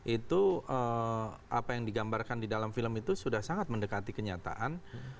itu apa yang digambarkan di dalam film itu sudah sangat mendekati kenyataan